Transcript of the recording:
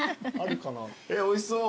おいしそう。